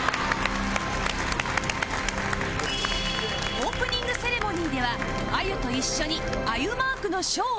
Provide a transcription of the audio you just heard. オープニングセレモニーではあゆと一緒にあゆマークの書を披露